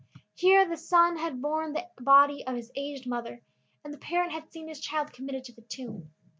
Here the son had borne the body of his aged mother, and the parent had seen his child committed to the tomb.